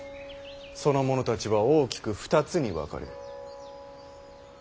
その者たちは大きく２つに分かれる。